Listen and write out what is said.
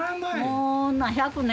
もう１００年。